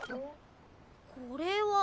これは？